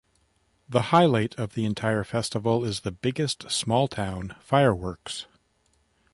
The highlight of the entire festival is The Biggest Small Town Fireworks!